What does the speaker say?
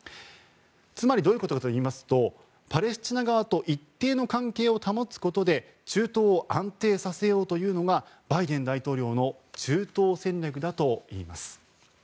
つまりどういうことかといいますとパレスチナ側と一定の関係を保つことで中東を安定させようというのがバイデン大統領の中東戦略だといいます。